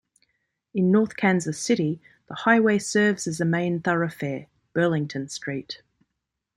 In North Kansas City, the highway serves as a main thoroughfare, Burlington Street.